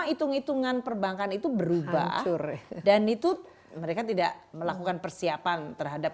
hitung hitungan perbankan itu berubah dan itu mereka tidak melakukan persiapan terhadap